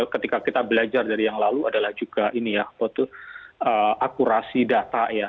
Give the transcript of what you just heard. ketika kita belajar dari yang lalu adalah juga ini ya akurasi data ya